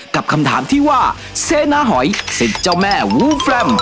กับคำถามที่ว่าเซนะหอยศิษย์เจ้าแม่วูลฟรัม